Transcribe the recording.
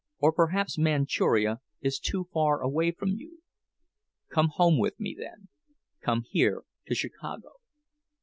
"Or perhaps Manchuria is too far away for you—come home with me then, come here to Chicago.